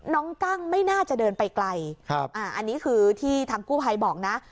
กั้งไม่น่าจะเดินไปไกลอันนี้คือที่ทางกู้ภัยบอกนะ